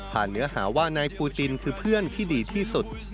เนื้อหาว่านายปูจินคือเพื่อนที่ดีที่สุด